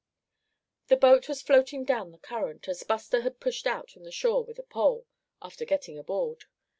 The boat was floating down the current, as Buster had pushed out from the shore with a pole, after getting aboard.